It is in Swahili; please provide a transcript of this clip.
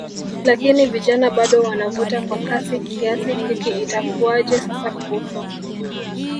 lakini vijana bado wanavuta kwa kasi kiasi hiki itakuaje sasa kuhusu